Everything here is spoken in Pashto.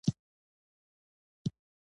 د رښتیني ملګري موندل ګران دي.